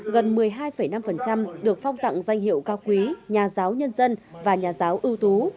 gần một mươi hai năm được phong tặng danh hiệu cao quý nhà giáo nhân dân và nhà giáo ưu tú